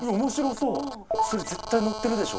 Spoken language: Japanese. それ絶対載ってるでしょ